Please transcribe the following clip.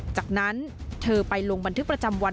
จากนั้นเธอไปลงบันทึกประจำวัน